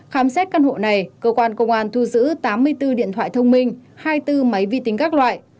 khám xét căn hộ này cơ quan công an thu giữ tám mươi bốn điện thoại thông minh hai mươi bốn máy vi tính các loại